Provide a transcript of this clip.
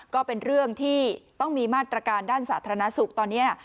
ก็เป็นเรื่องที่ต้องมีมาตรการด้านสาธารณสุขตอนนี้